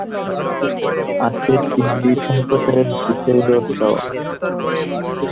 আছে টিভি সম্প্রচারের বিশেষ ব্যবস্থাও।